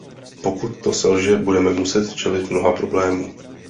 Pokud to selže, budeme muset čelit mnoha problémům.